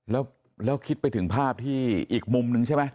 แล้วคิดไปถึงภาพที่อีกมุมนึงใช่ไหม